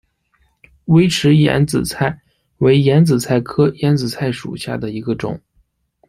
微齿眼子菜为眼子菜科眼子菜属下的一个种。